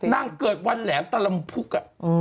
นางเกิดวันแหลมตะลำพุก